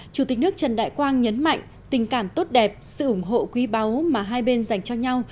chủ tịch nước trần đại quang nhấn mạnh tình cảm tốt đẹp sự ủng hộ quý báu mà hai bên dành cho nhau